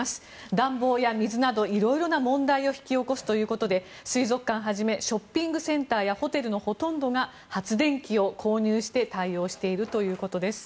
暖房や水などいろいろな問題を引き起こすということで水族館をはじめショッピングセンターなど発電機を購入して対応しているということです。